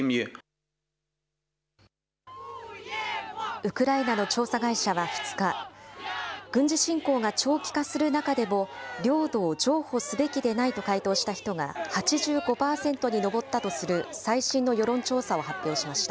ウクライナの調査会社は２日、軍事侵攻が長期化する中でも、領土を譲歩すべきでないと回答した人が８５％に上ったとする、最新の世論調査を発表しました。